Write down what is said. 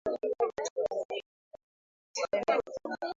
linapokea maji kutoka katika mabonde madogo madogo